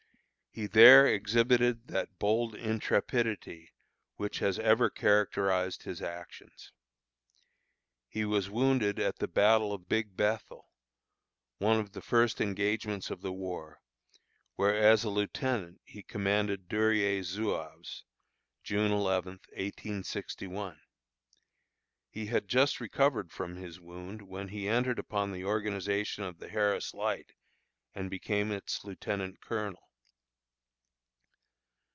He there exhibited that bold intrepidity which has ever characterized his actions. He was wounded at the battle of Big Bethel, one of the first engagements of the war, where as a lieutenant he commanded Duryea's Zouaves, June eleventh, 1861. He had just recovered from his wound when he entered upon the organization of the Harris Light, and became its lieutenant colonel.